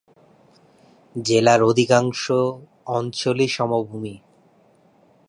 জেলার অধিকাংশ অঞ্চলই সমভূমি।